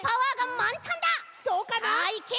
さあいけ